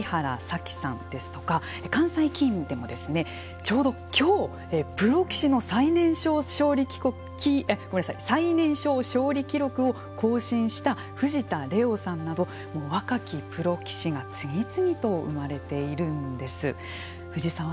輝さんですとか関西棋院でもちょうど今日、プロ棋士の最年少勝利記録を更新した藤田怜央さんなど若きプロ棋士が次々と生まれているんです。